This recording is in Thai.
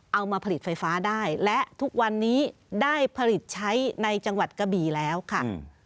เอามาผลิตไฟฟ้าได้และทุกวันนี้ได้ผลิตใช้ในจังหวัดกะบี่แล้วค่ะ